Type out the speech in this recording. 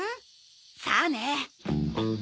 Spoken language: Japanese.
さあね。